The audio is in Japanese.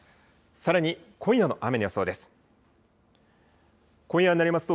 さらに今夜の雨の予想です。